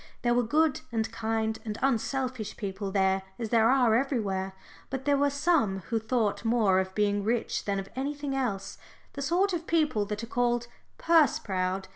There were good and kind and unselfish people there as there are everywhere, but there were some who thought more of being rich than of anything else the sort of people that are called "purse proud."